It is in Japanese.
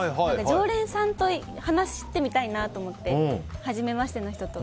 常連さんと話してみたいなと思ってはじめましての人と。